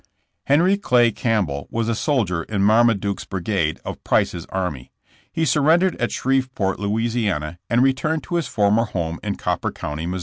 Henry Clay Campbell was a soldier in Marma duke's brigade of Price's army. He surrendered at Shreveport, La., and returned to his former home in Cooper County, Mo.